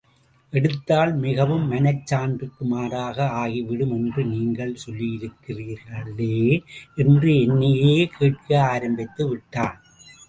எடுத்தால் மிகவும் மனச் சான்றுக்கு மாறாக ஆகிவிடும் என்று நீங்கள் சொல்லியிருக்கிறீர்களே? என்று என்னையே கேட்க ஆரம்பித்து விட்டான்.